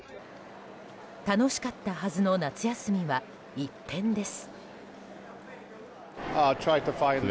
楽しかったはずの夏休みは一変です。